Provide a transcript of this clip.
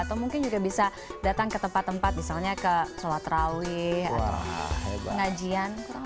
atau mungkin juga bisa datang ke tempat tempat misalnya ke sholat rawih atau pengajian